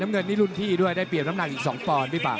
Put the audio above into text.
น้ำเงินนิดรุ่นพี่ด้วยได้เปรียบน้ำหนักอีก๒ปอนด์